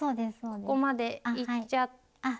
ここまでいっちゃって。